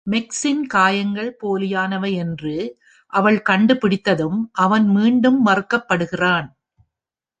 மேக்ஸின் காயங்கள் போலியானவை என்று அவள் கண்டுபிடித்ததும், அவன் மீண்டும் மறுக்கப்படுகிறான்.